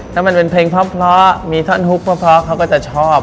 ถ้ามันเป็นเพลงเพราะมีนะครับที่เขาก็จะชอบ